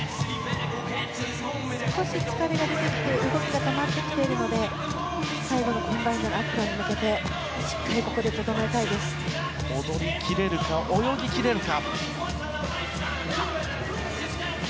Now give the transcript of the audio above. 少し疲れが出てきて動きが止まってきているので最後のコンバインドアクロに向けて、しっかりここで踊り切れるか泳ぎ切れるか。